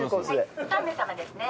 ３名様ですね。